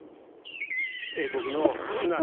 英国のスナク